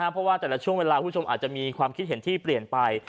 เพราะว่าแต่ละช่วงเวลาคุณผู้ชมอาจจะมีความคิดเห็นที่เปลี่ยนไป